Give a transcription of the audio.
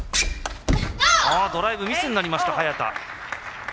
ドライブミスになりました、早田。